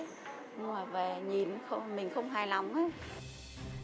nhưng mà về nhìn mình không hài lòng hết